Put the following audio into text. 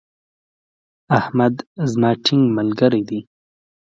احمد زما ټينګ ملګری دی.